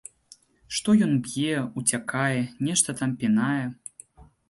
Што ён б'е, уцякае, нешта там пінае.